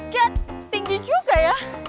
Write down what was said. gak tinggi juga ya